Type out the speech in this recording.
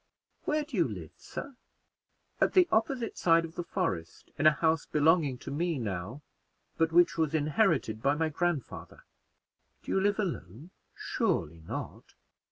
Where do you live, sir?" "At the opposite side of the forest, in a house belonging to me now, but which was inherited by my grandfather." "Do you live alone surely not?"